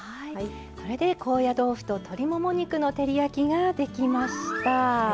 これで高野豆腐と鶏もも肉の照り焼きができました。